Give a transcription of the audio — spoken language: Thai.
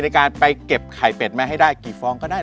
ในการไปเก็บไข่เป็ดมาให้ได้กี่ฟองก็ได้